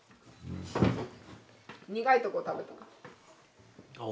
苦いとこ食べたら。